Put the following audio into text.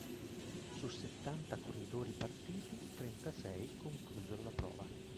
Su settanta corridori partiti, trentasei conclusero la prova.